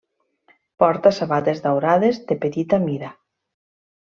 Porta sabates daurades de petita mida.